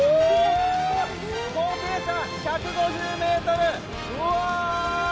高低差１５０ｍ、うわー！